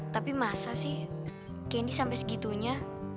tapi masa sih candi sampai segitunya